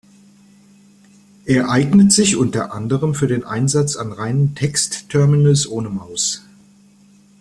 Er eignet sich unter anderem für den Einsatz an reinen Text-Terminals ohne Maus.